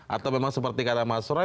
atau memang seperti kata mas roy